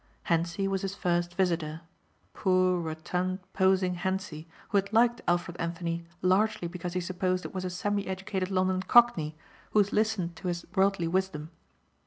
Hentzi was his first visitor, poor rotund, posing Hentzi who had liked Alfred Anthony largely because he supposed it was a semi educated London cockney who listened to his worldly wisdom.